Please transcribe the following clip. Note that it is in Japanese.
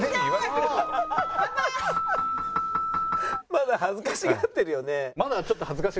「まだ恥ずかしがってるよね」。